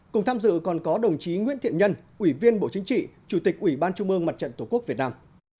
cùng tham dự còn có đồng chí nguyễn thiện nhân ủy viên bộ chính trị chủ tịch ủy ban trung mương mặt trận tổ quốc việt nam